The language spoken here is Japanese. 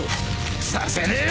させねえよ！